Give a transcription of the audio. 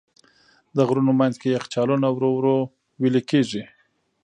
د غرونو منځ کې یخچالونه ورو ورو وېلې کېږي.